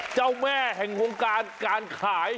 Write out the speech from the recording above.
เจ้าแม่แห่งวงการการขาย